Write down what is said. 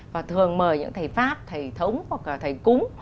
và thường mời những thầy pháp thầy thống hoặc là thầy cúng